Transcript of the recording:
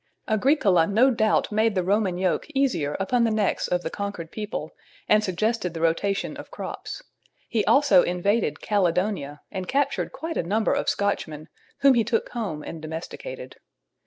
Agricola no doubt made the Roman yoke easier upon the necks of the conquered people, and suggested the rotation of crops. He also invaded Caledonia and captured quite a number of Scotchmen, whom he took home and domesticated.